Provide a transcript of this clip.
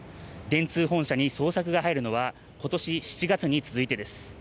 電通本社に捜索が入るのはことし７月に続いてです。